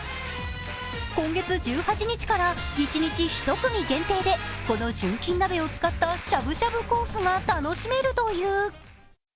今月１８日から一日１組限定で、この純金鍋を使ったしゃぶしゃぶコースが楽しめるという。